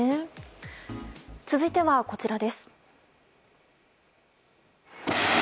続いては、こちらです。